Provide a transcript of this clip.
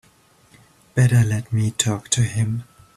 Better let me talk to him.